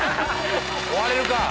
「終われるか！」